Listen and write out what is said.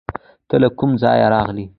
ته له کوم ځایه راغلې؟